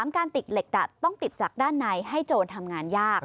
การติดเหล็กดัดต้องติดจากด้านในให้โจรทำงานยาก